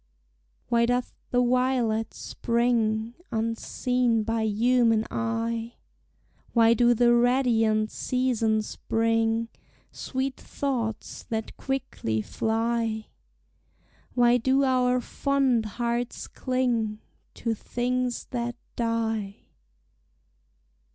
Why doth the violet spring Unseen by human eye? Why do the radiant seasons bring Sweet thoughts that quickly fly? Why do our fond hearts cling To things that die?